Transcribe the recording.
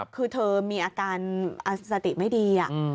คือเธอมีอาการสติไม่ดี